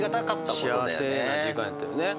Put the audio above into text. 幸せな時間やったよね。